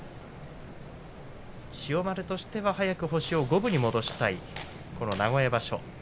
千代丸としては早く星を五分に戻したい名古屋場所。